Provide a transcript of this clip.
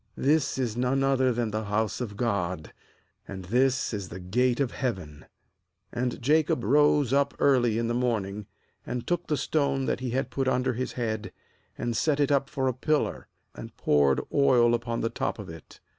this is none other than the house of God. and this is the gate of heaven.' 18And Jacob rose up early in the morning, and took the stone that he had put under his head, and set it up for a pillar, and poured oil upon the top of it.